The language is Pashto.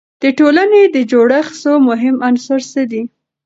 د ټولنې د جوړښت څو مهم عناصر څه دي؟